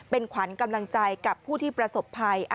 เป็นขวัญกำลังใจกับผู้ที่ประสบภัย